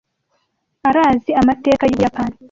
Arazi amateka yUbuyapani.